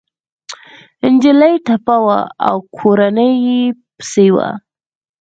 انجلۍ ټپي وه او کورنۍ يې پسې وه